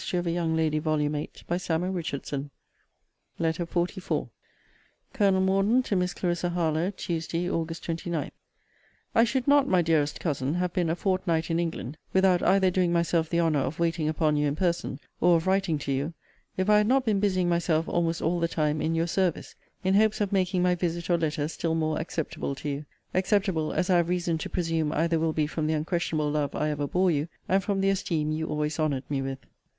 For the decree is certainly gone out the world is unworthy of her. LETTER XLIV COLONEL MORDEN, TO MISS CLARISSA HARLOWE TUESDAY, AUG. 29. I should not, my dearest Cousin, have been a fortnight in England, without either doing myself the honour of waiting upon you in person, or of writing to you; if I had not been busying myself almost all the time in your service, in hopes of making my visit or letter still more acceptable to you acceptable as I have reason to presume either will be from the unquestionable love I ever bore you, and from the esteem you always honoured me with.